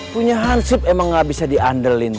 punya handship emang gak bisa dianderlin